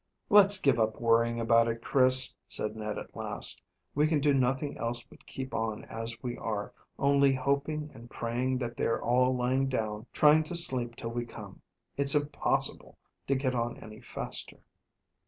"Let's give up worrying about it, Chris," said Ned at last. "We can do nothing else but keep on as we are, only hoping and praying that they're all lying down trying to sleep till we come. It's impossible to get on any faster."